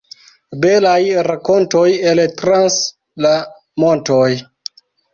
Belaj rakontoj el trans la montoj.